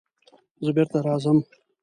زه بېرته راځم.